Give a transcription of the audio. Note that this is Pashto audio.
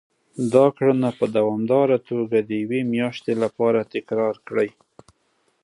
دا کړنه په دوامداره توګه د يوې مياشتې لپاره تکرار کړئ.